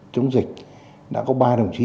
chống dịch đã có ba đồng chí